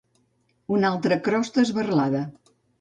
Una altra crosta esberlada.